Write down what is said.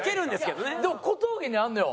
でも小峠にあるのよ。